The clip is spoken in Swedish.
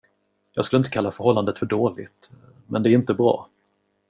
Jag skulle inte kalla förhållandet för dåligt, men det är inte bra.